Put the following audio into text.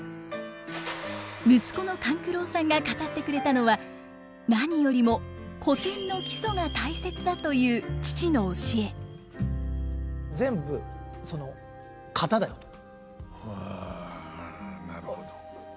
息子の勘九郎さんが語ってくれたのは何よりも古典の基礎が大切だという父の教え。はあなるほど。